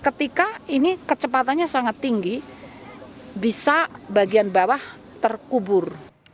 ketika ini kecepatannya sangat tinggi bisa bagian bawah terkubur